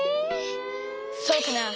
そうかな？